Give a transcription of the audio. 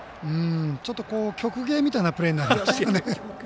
ちょっと曲芸みたいなプレーになりましたね。